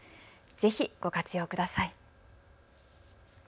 ぜひ、ご活用ください。